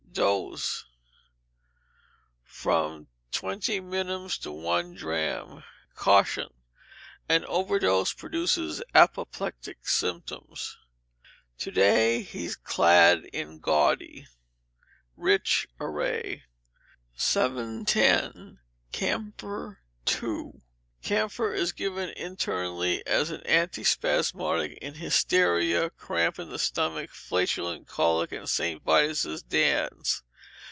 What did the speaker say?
Dose, from twenty minims to one drachm. Caution. An overdose produces apoplectic symptoms. [TO DAY HE'S CLAD IN GAUDY, RICH ARRAY] 710. Camphor (2) Camphor is given internally as an antispasmodic in hysteria, cramp in the stomach, flatulent colic, and St. Vitus's dance.